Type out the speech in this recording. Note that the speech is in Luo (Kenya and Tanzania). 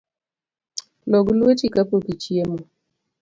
Log lueti kapok ichiemo